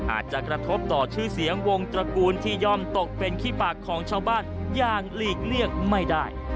อาจจะกระทบต่อชื่อเสียงวงตระกูลที่ย่อมตกเป็นขี้ปากของชาวบ้านอย่างหลีกเลี่ยงไม่ได้